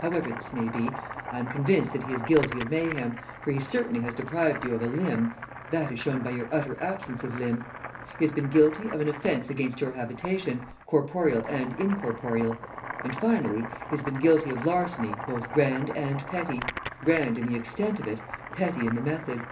However this may be, I am convinced that he is guilty of mayhem, for he certainly has deprived you of a limb that is shown by your utter absence of limb. He has been guilty of an offence against your habitation, corporeal and incorporeal, and finally he has been guilty of larceny both grand and petty. Grand in the extent of it, petty in the method.